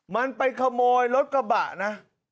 มันไปขโมยรถกระบะนะ